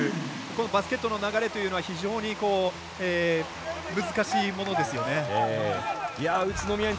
このバスケットの流れというのは非常に難しいものですよね。